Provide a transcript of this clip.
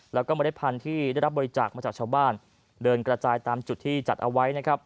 แล้วก็เมล็ดพันธุ์ที่ได้รับบริจาคมาจากชาวบ้านเดินกระจายตามจุดที่จัดเอาไว้นะครับ